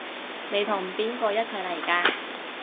你同邊個一齊嚟㗎？